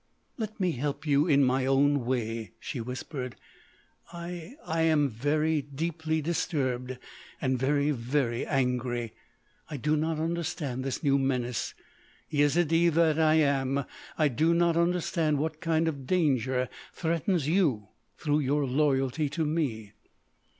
"Let me help you in my own way," she whispered. "I—I am very deeply disturbed, and very, very angry. I do not understand this new menace. Yezidee that I am, I do not understand what kind of danger threatens you through your loyalty to me."